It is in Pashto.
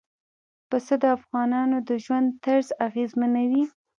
پسه د افغانانو د ژوند طرز اغېزمنوي.